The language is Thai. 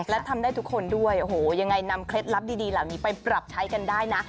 และทำได้ทุกคนด้วยโอ้โหยังไงนำเคล็ดลับดีเหล่านี้ไปปรับใช้กันได้นะ